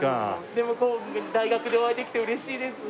でもこう大学でお会いできて嬉しいです。